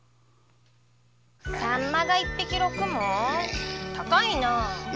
サンマが一匹六文高いな。